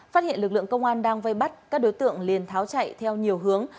phát hiện lực lượng công an đang vây bắt các đối tượng liền tháo chạy theo nhiều hướng